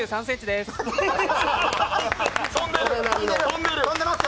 ２３ｃｍでーす。